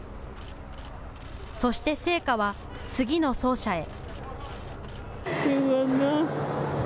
そして、聖火は次の走者へ。